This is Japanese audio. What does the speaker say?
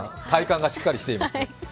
体幹がしっかりしていますね。